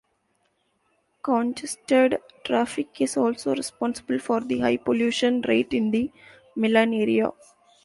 Congested traffic is also responsible for the high pollution rate in the Milan area.